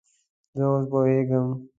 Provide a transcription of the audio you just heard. زه اوس پوهیږم